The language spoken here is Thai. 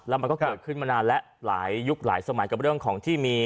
แล้วมันก็เกิดขึ้นมานานแล้วหลายยุคหลายสมัยกับเรื่องของที่มี